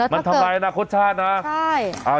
มันทำร้ายอนาคตชาตินะใช่